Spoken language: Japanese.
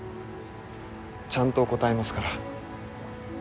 ちゃんと答えますから。